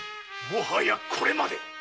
もはやこれまで。